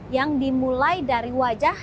yang dimulai dari wajah